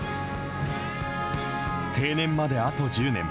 定年まであと１０年。